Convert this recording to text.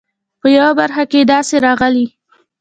په یوه برخه کې یې داسې راغلي.